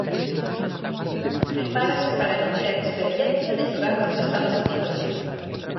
Prepárase para vivir a experiencia de xogar nos Estados Unidos.